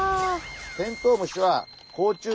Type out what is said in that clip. テントウムシは甲虫類。